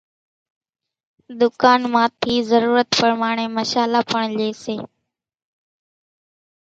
ڌُڪان مان ٿي ضرورت پرماڻي مشالا پڻ لئي سي۔